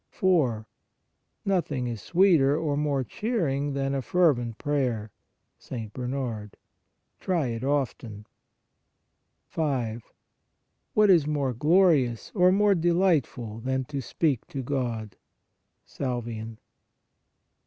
4. Nothing is sweeter or more cheering than a fervent prayer (St. Bernard). Try it often. 5. What is more glorious or more delightful than to speak to God (Salvian).